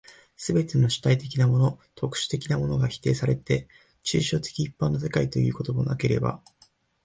すべての主体的なもの、特殊的なものが否定せられて、抽象的一般の世界となるということでもなければ、